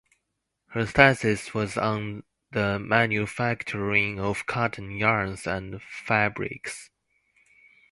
Her thesis was on the manufacturing of cotton yarns and fabrics.